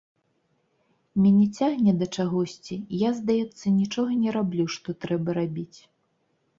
Мяне цягне да чагосьці, я, здаецца, нічога не раблю, што трэба рабіць.